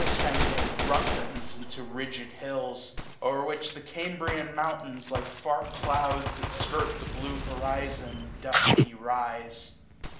Ascending, roughens into rigid hills ; 0*er which the Cambrian mountains, like far clouds That skirt the blue horizon, dusky rise.